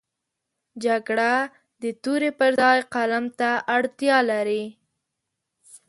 جګړه د تورې پر ځای قلم ته اړتیا لري